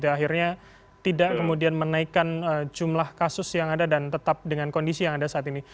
akhirnya tidak kemudian menaikkan jumlah kasus yang ada dan tetap dengan kondisi yang ada saat ini